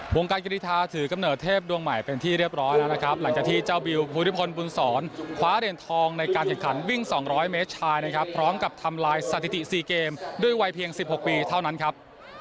การกรีธาถือกำเนิดเทพดวงใหม่เป็นที่เรียบร้อยแล้วนะครับหลังจากที่เจ้าบิวภูริพลบุญศรคว้าเหรียญทองในการแข่งขันวิ่ง๒๐๐เมตรชายนะครับพร้อมกับทำลายสถิติ๔เกมด้วยวัยเพียง๑๖ปีเท่านั้นครับ